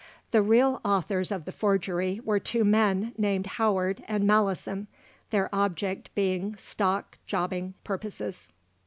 The real authors of the forgery were two men named Howard and Mallison, their object being stock jobbing purposes.